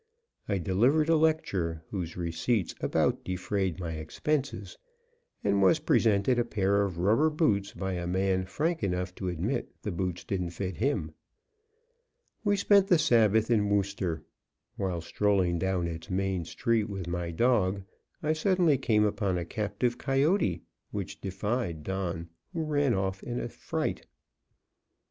I delivered a lecture, whose receipts about defrayed my expenses, and was presented a pair of rubber boots by a man frank enough to admit the boots didn't fit him. We spent the Sabbath in Wooster. While strolling down its main street with my dog, I suddenly came upon a captive coyote, which defied Don, who ran off in a fright.